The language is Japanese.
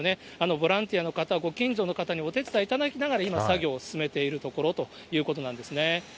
ボランティアの方、ご近所の方にお手伝いいただきながら、今、作業を進めているところということなんですね。